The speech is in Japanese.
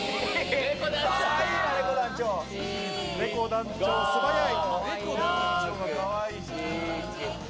ねこ団長、素早い。